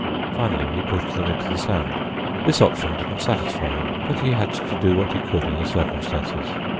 Finally he pushed them into the sand. This option didn't satisfy him, but he had to do what he could in the circumstances.